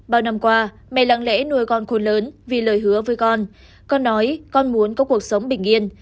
bao năm qua mẹ lặng lẽ nuôi con khôn lớn vì lời hứa với con con nói con muốn có cuộc sống bình yên